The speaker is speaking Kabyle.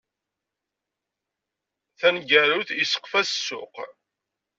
Taneggarut, iseqqef-as s ssuq.